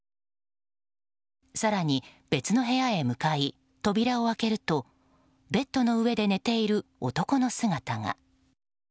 更に、別の部屋へ向かい扉を開けるとベッドの上で寝ている男の姿が。